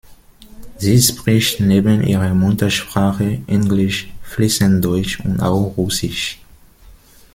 Sie spricht neben ihrer Muttersprache Englisch fließend Deutsch und auch Russisch.